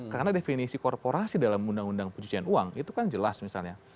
karena definisi korporasi dalam undang undang pencucian uang itu kan jelas misalnya